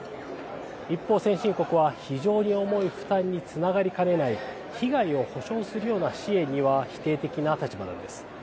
一方、先進国は非常に重い負担につながりかねない被害を補償するような支援には否定的な立場なんです。